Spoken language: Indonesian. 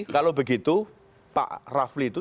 kalau begitu pak rafli itu